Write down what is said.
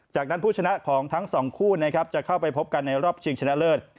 จากนั้นผู้ชนะของทั้งสองคู่นะครับจะเข้าไปพบกันในรอบชิงชนะเลิศ